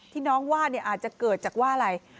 ที่น้องว่าอาจจะเกิดจากว่าอะไร